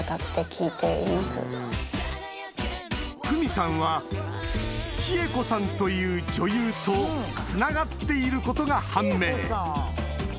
來未さんは千恵子さんという女優とつながっていることが判明